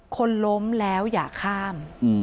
คนล้มแล้วอย่าข้าม